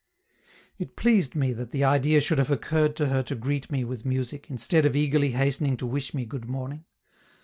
It pleased me that the idea should have occurred to her to greet me with music, instead of eagerly hastening to wish me good morning.